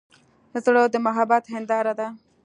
زړه د محبت هنداره ده.